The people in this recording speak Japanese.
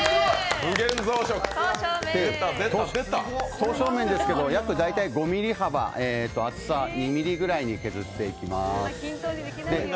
刀削麺ですけど、約大体５ｍｍ幅、厚さ２ｍｍぐらいに削っていきます。